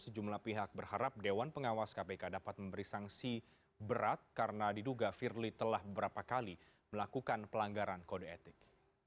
sejumlah pihak berharap dewan pengawas kpk dapat memberi sanksi berat karena diduga firly telah beberapa kali melakukan pelanggaran kode etik